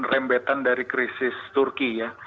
rembetan dari krisis turki ya